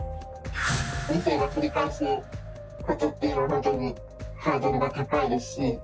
２世が取り返すことっていうのは、本当にハードルが高いです